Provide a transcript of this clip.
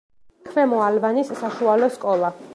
ქვემო ალვანის საშუალო სკოლა.